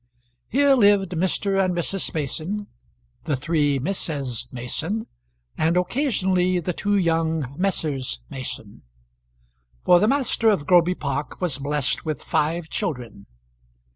Here lived Mr. and Mrs. Mason, the three Misses Mason, and occasionally the two young Messrs. Mason; for the master of Groby Park was blessed with five children.